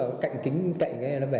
tô vít là cạnh kính cạnh cái nó bẻ